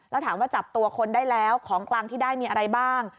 แล้วถามว่าจับตัวคนได้แล้วของกลางที่ได้มีอะไรบ้าง